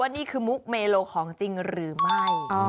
นี่คือมุกเมโลของจริงหรือไม่